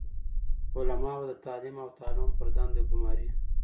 علماء به د تعليم او تعلم پر دندي ګماري،